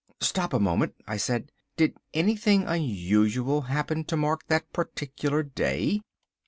"Stop a moment," I said. "Did anything unusual happen to mark that particular day?"